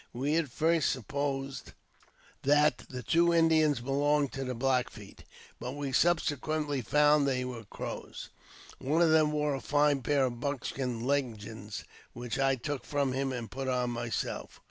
We at first supposed that the two Indians belonged to the Black Feet, but we subsequently found they were Crows. One of them wore a fine pair of buckskin leggings, which I took from him and put on myself.